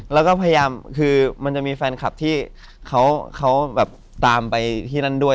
แล้วก็พยายามคือมันจะมีแฟนคลับที่เขาแบบตามไปที่นั่นด้วย